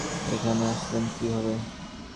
এখানে আসলেন কীভাবে?